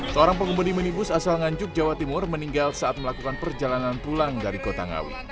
seorang pengemudi minibus asal nganjuk jawa timur meninggal saat melakukan perjalanan pulang dari kota ngawi